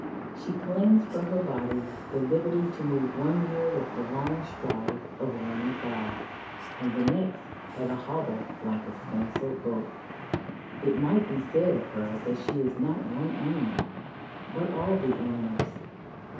She claims for her body the liberty to move one year with the long stride of a running fowl, and the next at a hobble like a spancelled goat. It might be said of her that she is not one animal, but all the animals.